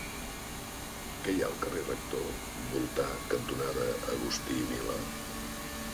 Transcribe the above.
Què hi ha al carrer Rector Voltà cantonada Agustí i Milà?